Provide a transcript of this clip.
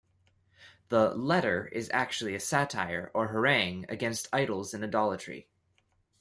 The "letter" is actually a satire, or harangue, against idols and idolatry.